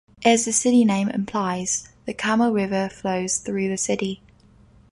As the city name implies, the Kamo River flows through the city.